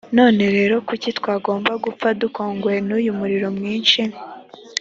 none rero kuki twagomba gupfa dukongowe n’uyu muriro mwinshi?